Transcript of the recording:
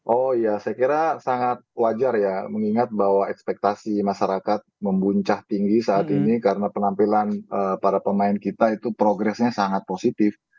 oh ya saya kira sangat wajar ya mengingat bahwa ekspektasi masyarakat membuncah tinggi saat ini karena penampilan para pemain kita itu progresnya sangat positif